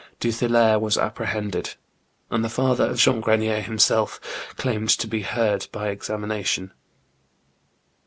Duthillaire was apprehended, and the father of Jean Grenier himself claimed to be heard by examination.